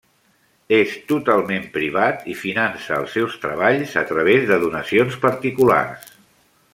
És totalment privat i finança els seus treballs a través de donacions particulars.